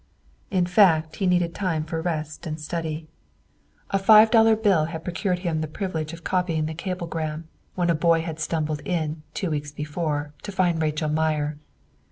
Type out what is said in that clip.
In fact, he needed time for rest and study. A five dollar bill had procured him the privilege of copying the cablegram, when a telegraph boy had stumbled in, two weeks before, to find Rachel Meyer.